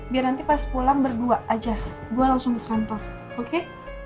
biar nanti pas pulang berdua aja gue langsung ke kantor oke